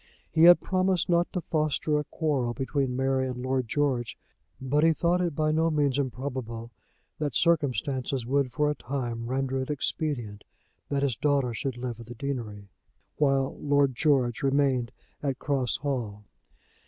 He had promised not to foster a quarrel between Mary and Lord George, but he thought it by no means improbable that circumstances would for a time render it expedient that his daughter should live at the deanery, while Lord George remained at Cross Hall.